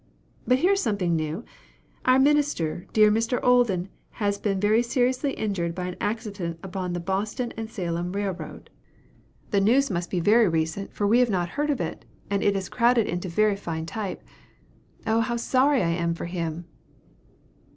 But here is something new. Our minister, dear Mr. Olden, has been very seriously injured by an accident upon the Boston and Salem Railroad. The news must be very recent, for we had not heard of it; and it is crowded into very fine type. Oh, how sorry I am for him!"